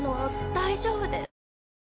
大丈夫で。